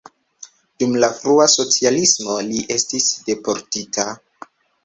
Dum la frua socialismo li estis deportita.